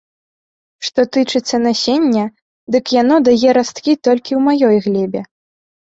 Што тычыцца насення, дык яно дае расткі толькі ў маёй глебе.